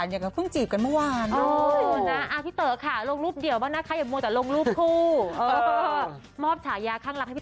อยากให้เขาคลั่งรักหรือคลั่งราวมากกว่านี้